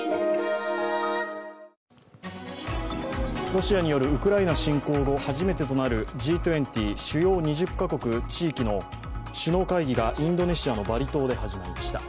ロシアによるウクライナ侵攻後初めてとなるＧ２０＝主要２０か国・地域の首脳会議がインドネシアのバリ島で始まりました。